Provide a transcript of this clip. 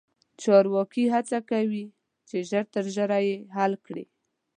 چارواکي هڅه کوي چې ژر تر ژره یې حل کړي.